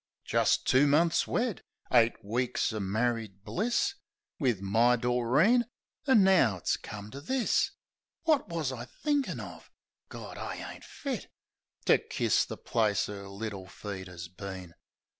Jist two months wed! Eight weeks uv married bliss Wiv my Doreen, an' now it's come to this! Wot wus I thinkin' uv? Gawd! I ain't fit To kiss the place 'er little feet 'as been!